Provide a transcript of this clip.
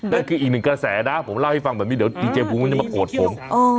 นั่นคืออีกหนึ่งกระแสนะผมเล่าให้ฟังแบบนี้เดี๋ยวดีเจภูมิก็จะมาโกรธผม